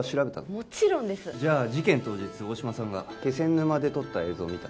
もちろんですじゃ事件当日大島さんが気仙沼で撮った映像見た？